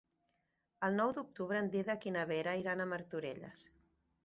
El nou d'octubre en Dídac i na Vera iran a Martorelles.